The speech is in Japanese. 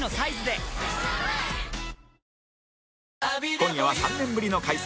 今夜は３年ぶりの開催